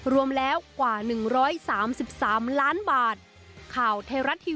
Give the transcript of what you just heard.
รวมแล้วกว่า๑๓๓ล้านบาท